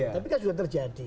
tapi kan sudah terjadi